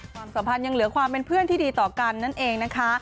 ความสัมพันธ์ยังเหลือความเป็นเพื่อนที่ดีต่อกันนั่นเองนะคะ